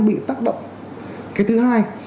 bị tác động cái thứ hai